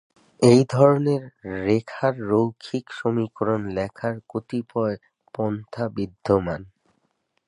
এই ধরনের রেখার রৈখিক সমীকরণ লেখার কতিপয় পন্থা বিদ্যমান।